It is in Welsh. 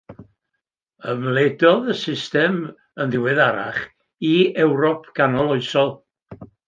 Ymledodd y system, yn ddiweddarach, i Ewrop ganoloesol.